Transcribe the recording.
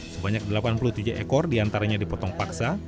sebanyak delapan puluh tujuh ekor diantaranya dipotong paksa